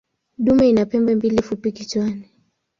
Dume ina pembe mbili fupi kichwani.